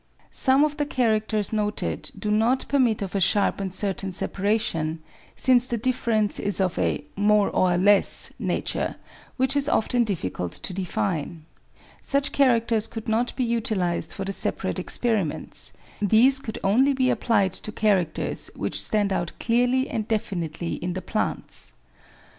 Some of the characters noted do not permit of a sharp and certain separation, since the difference is of a " more or less " nature, which is often difficult to define. Such characters could not be utilised for the separate experiments; these could only be applied to characters which stand out clearly and definitely in the plants.